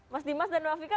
mas dimas dan mbak vika